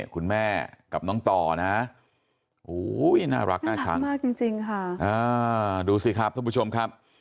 คุณแม่กับน้องต่อนะน่ารักน่าชังมากจริงค่ะดูสิครับท่านผู้ชมครับ